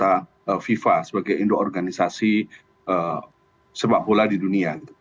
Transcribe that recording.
dan juga oleh viva sebagai indo organisasi sepak bola di dunia